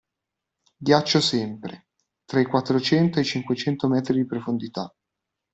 Ghiaccio sempre, tra i quattrocento e i cinquecento metri di profondità.